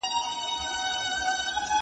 د کوټې دروازه د شمال له امله بنده شوه.